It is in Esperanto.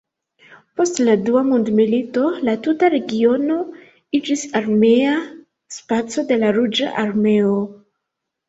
Post la Dua mondmilito la tuta regiono iĝis armea spaco de la Ruĝa Armeo.